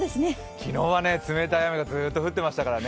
昨日は冷たい雨がずっと降ってましたからね。